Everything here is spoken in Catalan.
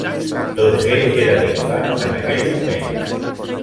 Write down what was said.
Tots ells eren infants en aquell moment.